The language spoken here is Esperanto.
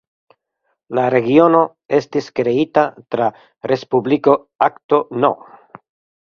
La regiono estis kreita tra Respubliko Akto No.